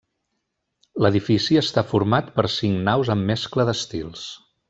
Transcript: L'edifici està format per cinc naus amb mescla d'estils.